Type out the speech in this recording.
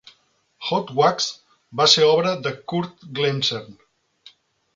Hot Wacks va ser obra de Kurt Glemser.